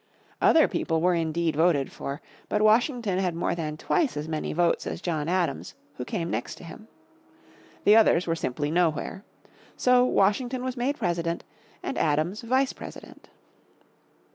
Other people were indeed voted for, but Washington had more than twice as many votes as John Adams, who came next to him. The others were simply nowhere. So Washington was made President and Adams vice president.